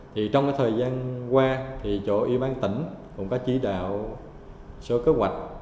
thì trong cái thời gian qua thì chỗ y bán tỉnh cũng có chỉ đạo số kế hoạch